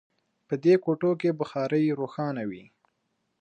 په دې کوټو کې بخارۍ روښانه وي